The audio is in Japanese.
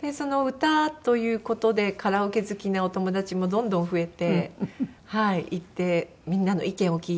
で歌という事でカラオケ好きなお友達もどんどん増えていってみんなの意見を聞いたり。